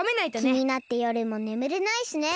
きになってよるもねむれないしね。